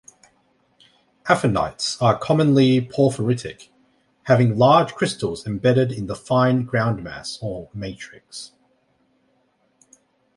Aphanites are commonly porphyritic, having large crystals embedded in the fine groundmass or matrix.